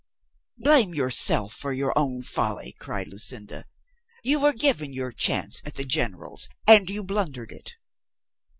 "Blame yourself for your own folly," cried Lu cinda. "You were given your chance at the generals and you blundered it."